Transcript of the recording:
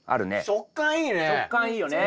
食感いいよね。